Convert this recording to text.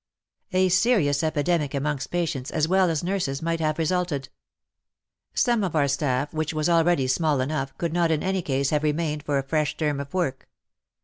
A serious epidemic amongst patients as well as nurses might have resulted. Some of our staff, 189 190 WAR AND WOMEN which was already small enough, could not in any case have remained for a fresh term of work.